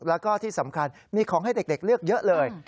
แล้วก็ที่สำคัญมีของให้เด็กเลือกเยอะเลย